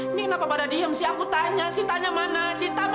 ini kenapa pada diem sih aku tanya sita nya mana sita mana